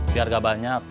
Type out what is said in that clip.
biar gak banyak